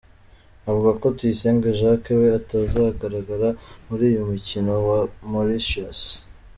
Avuga ko Tuyisenge Jacques we atazagaragara muri uyu mukino wa Mauritius.